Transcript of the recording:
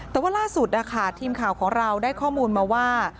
แต่ว่าล่าสุดนะคะทีมข่าวของเราได้ข้อมูลมาว่า